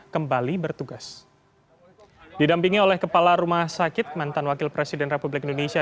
kembali bertugas didampingi oleh kepala rumah sakit mantan wakil presiden republik indonesia